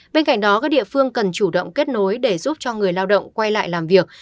bên cạnh đó các địa phương cần chủ động kết nối để giúp cho người lao động quay lại làm việc